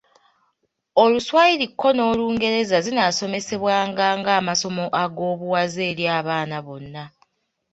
Oluswayiri ko n’Olungereza zinaasomesebwanga ng'amasomo ag’obuwaze eri abaana bonna.